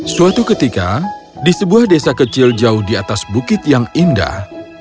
suatu ketika di sebuah desa kecil jauh di atas bukit yang indah